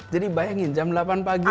jadi bayangin jam delapan pagi